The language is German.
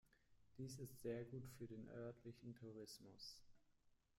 Dies ist sehr gut für den örtlichen Tourismus.